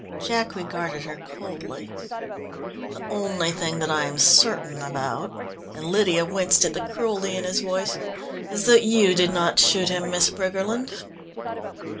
Jack regarded her coldly. "The only thing that I am certain about," and Lydia winced at the cruelty in his voice, "is that you did not shoot him, Miss Briggerland."